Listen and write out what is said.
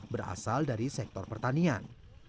berasal dari sektor pertanian